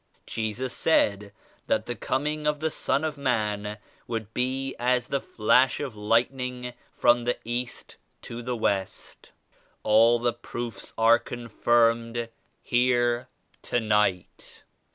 Jesus said that the coming of the Son of Man would be as the flash of lightning from the East to the West. All the proofs are confirmed here tonight."